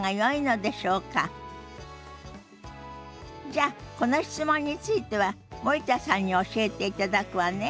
じゃあこの質問については森田さんに教えていただくわね。